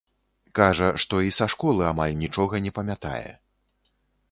Кажа, што і са школы амаль нічога не памятае.